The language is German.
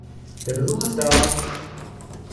Der Besuch ist da.